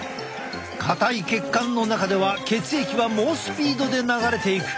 硬い血管の中では血液は猛スピードで流れていく。